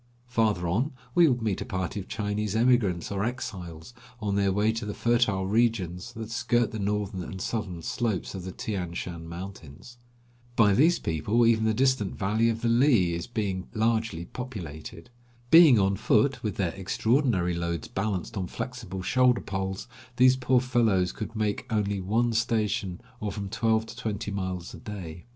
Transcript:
Farther on we would meet a party of Chinese emigrants or exiles, on their way to the fertile regions that skirt the northern and southern slopes of the Tian Shan mountains. By these people even the distant valley of the Hi is being largely populated. Being on foot, with their extraordinary loads balanced on flexible shoulder poles, these poor fellows could make only one station, or from twelve to twenty miles a day.